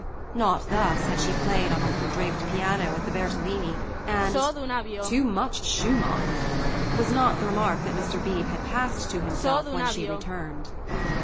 Not thus had she played on the little draped piano at the Bertolini, and "Too much Schumann" was not the remark that Mr. Beebe had passed to himself when she returned.